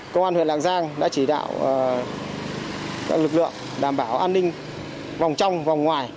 công an huyện lạng giang đã chỉ đạo lực lượng đảm bảo an ninh vòng trong vòng ngoài